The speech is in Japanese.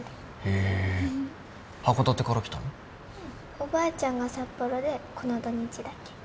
おばあちゃんが札幌でこの土日だけ。